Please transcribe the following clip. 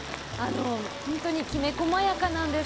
本当にきめ細やかなんです。